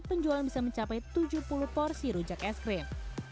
penjualan bisa mencapai tujuh puluh porsi rujak es krim